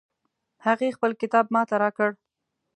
هغې خپل کتاب ما ته راکړ